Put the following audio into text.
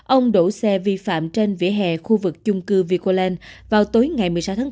ông đổ xe vi phạm trên vỉa hè khu vực chung cư vicoland vào tối ngày một mươi sáu tháng bốn